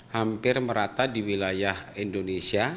hampir merata di wilayah indonesia